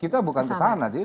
kita bukan kesana